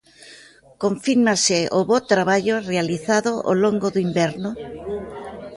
Confírmase o bo traballo realizado ao longo do inverno?